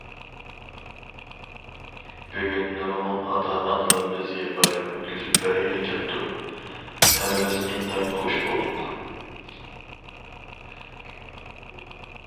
بۈگۈن نۇرغۇن ئاتا- ئانىلار بىزگە بايرام ئۆتكۈزۈپ بەرگىلى كەپتۇ، ھەممىمىز ئىنتايىن خۇش بولدۇق.